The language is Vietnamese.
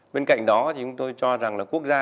bên cạnh đó thì chúng tôi cho rằng là quốc gia